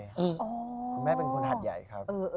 คุณแม่เป็นคนหัดใหญ่ครับ